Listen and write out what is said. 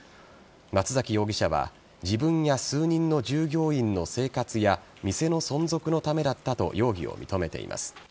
松崎容疑者は自分や店の従業員の生活や店の存続のためだったと容疑を認めています。